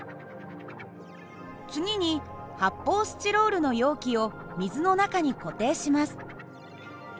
次に発砲スチロールの容器を水の中に固定します。